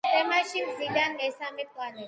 მზის სისტემაში მზიდან მესამე პლანეტა.